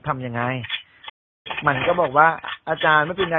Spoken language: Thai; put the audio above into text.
ทำยังไงมันก็บอกว่าอาจารย์ไม่เป็นยังไง